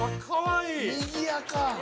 ◆にぎやか。